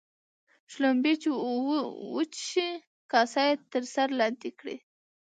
شلومبې چې وچښې ، کاسه يې تر سر لاندي کړه.